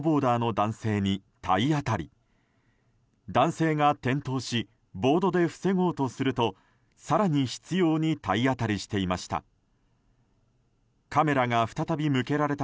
男性が転倒しボードで防ごうとすると更に執拗に体当たりしていました。